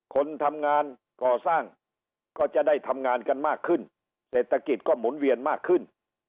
คนทำงานก่อสร้างก็จะได้ทำงานกันมากขึ้นเศรษฐกิจก็หมุนเวียนมากขึ้น